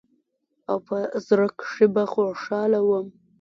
او په زړه کښې به خوشاله وم.